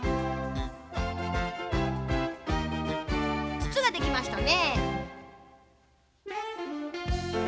つつができましたね。